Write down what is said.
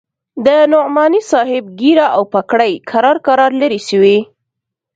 د نعماني صاحب ږيره او پګړۍ کرار کرار لرې سوې.